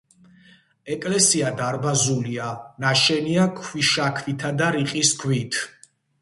ეკლესია დარბაზულია, ნაშენია ქვიშაქვითა და რიყის ქვით.